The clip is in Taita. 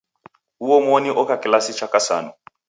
Uomoni oka kilasi cha kasanu.